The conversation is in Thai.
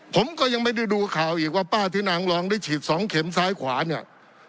ผมก็ยังไม่ได้ดูข่าวอีกว่าป้าที่นางรองได้ฉีด๒เข็มซ้ายขวาเนี่ย